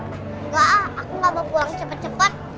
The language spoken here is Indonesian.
nggak aku nggak mau pulang cepet cepet